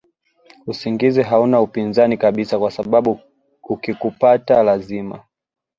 usingizi hauna upinzani kabisa kwasababu ukikupata lazima